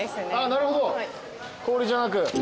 なるほど氷じゃなく。